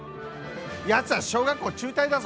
やつは小学校中退だぞ！